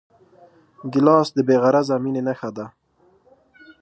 ګیلاس د بېغرضه مینې نښه ده.